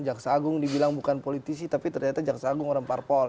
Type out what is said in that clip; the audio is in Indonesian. jaksa agung dibilang bukan politisi tapi ternyata jaksa agung orang parpol